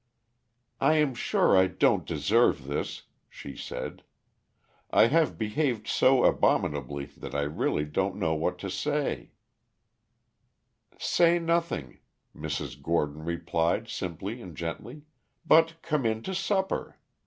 "I am sure I don't deserve this," she said. "I have behaved so abominably that I really don't know what to say." "Say nothing," Mrs. Gordon replied simply and gently, "but come in to supper.